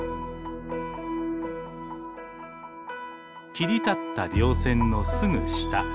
切り立ったりょう線のすぐ下。